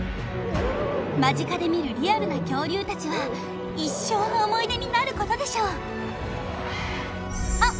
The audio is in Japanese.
間近で見るリアルな恐竜達は一生の思い出になることでしょうあっ